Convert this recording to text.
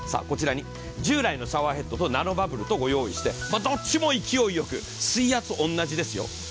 こちらに従来のシャワーヘッドとナノバブルとご用意してどっちも勢いよく水圧同じですよ。